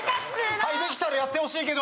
はいできたらやってほしいけど！